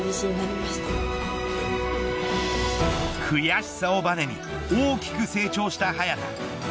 悔しさをばねに大きく成長した早田。